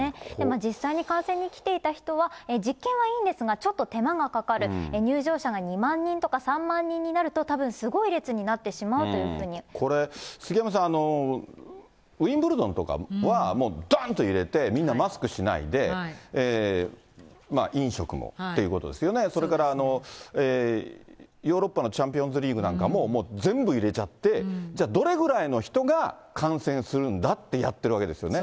実際に観戦に来ていた人は、実験はいいんですが、ちょっと手間がかかる、入場者が２万人とか３万人になるとたぶんすごい列になってしまうこれ、杉山さん、ウインブルドンとかはもう、だんと入れて、みんなマスクしないで、飲食もっていうことですよね、それから、ヨーロッパのチャンピオンズリーグなんかも、もう全部入れちゃって、じゃあ、どれぐらいの人が感染するんだってやってるわけですよね。